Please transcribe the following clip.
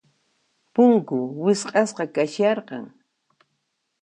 Punku wisq'asqa kasharqan.